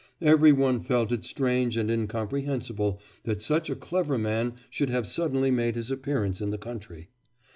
Every one felt it strange and incomprehensible that such a clever man should have suddenly made his appearance in the country.